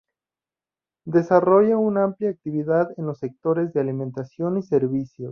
Desarrolla una amplia actividad en los sectores de alimentación y servicios.